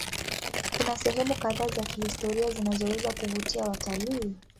Kuna sehemu kadhaa za kihistoria zinazoweza kuvutia watalii.